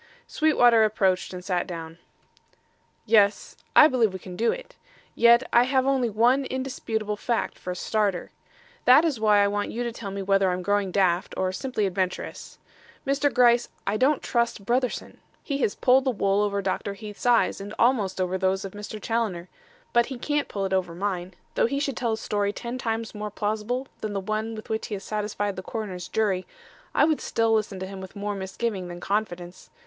Sweetwater approached and sat down. "Yes; I believe we can do it; yet I have only one indisputable fact for a starter. That is why I want you to tell me whether I'm growing daft or simply adventurous. Mr. Gryce, I don't trust Brotherson. He has pulled the wool over Dr. Heath's eyes and almost over those of Mr. Challoner. But he can't pull it over mine. Though he should tell a story ten times more plausible than the one with which he has satisfied the coroner's jury, I would still listen to him with more misgiving than confidence.